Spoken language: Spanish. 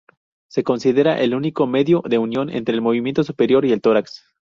Se considera el único medio de unión entre el miembro superior y el tórax.